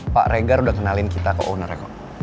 pak regar udah kenalin kita ke ownernya kok